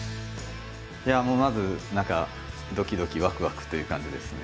もうまず何かドキドキワクワクという感じですね。